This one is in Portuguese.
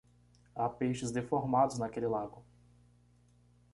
Há peixes deformados naquele lago.